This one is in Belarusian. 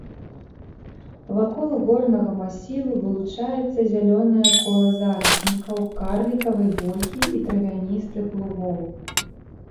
Вакол горнага масіву вылучаецца зялёнае кола зараснікаў карлікавай вольхі і травяністых лугоў.